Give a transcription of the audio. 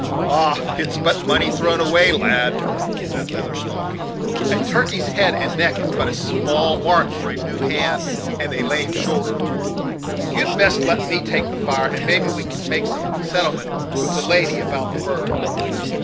"Ah! it's but money thrown away, lad," said Leather Stocking. "A turkey's head and neck is but a small mark for a new hand and a lame shoulder. You'd best let me take the fire, and maybe we can make some settlement with the lady about the bird."